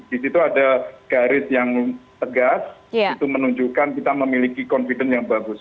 di situ ada garis yang tegas itu menunjukkan kita memiliki confident yang bagus